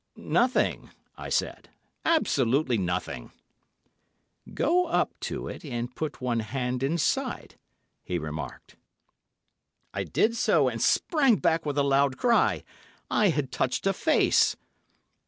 "Nothing," I said; "absolutely nothing." "Go up to it and put one hand inside," he remarked. I did so, and sprang back with a loud cry. I had touched a face!